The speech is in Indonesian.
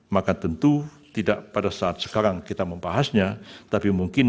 maka tentu tidak pada saat sekarang kita membahasnya tapi mungkin